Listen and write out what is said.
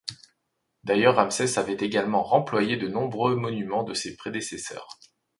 D'ailleurs Ramsès avait également remployé de nombreux monuments de ses prédécesseurs.